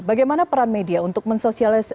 bagaimana peran media untuk mensosialisasikan